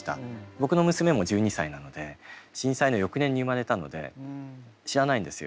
僕の娘も１２歳なので震災の翌年に生まれたので知らないんですよ。